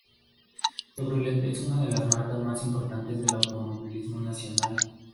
Chevrolet es una de las marcas más importantes del automovilismo nacional.